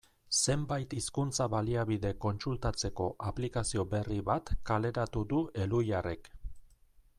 Zenbait hizkuntza-baliabide kontsultatzeko aplikazio berri bat kaleratu du Elhuyarrek.